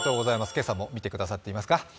今朝も見てくださっていますか？